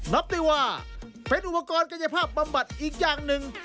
นับได้ว่าเป็นอุปกรณ์กายภาพบำบัดอีกอย่างหนึ่ง